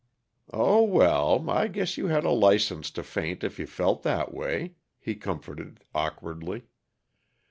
"Oh, well I guess you had a license to faint if you felt that way," he comforted awkwardly.